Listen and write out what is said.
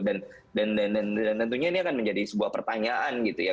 dan tentunya ini akan menjadi sebuah pertanyaan gitu ya